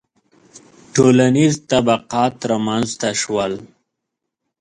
• ټولنیز طبقات رامنځته شول